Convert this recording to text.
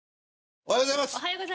おはようございます。